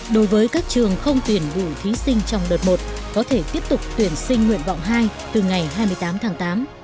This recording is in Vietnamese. đối với các trường không tuyển vụ thí sinh trong đợt một có thể tiếp tục tuyển sinh nguyện vọng hai từ ngày hai mươi tám tháng tám